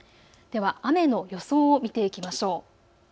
では雨の予想を見ていきましょう。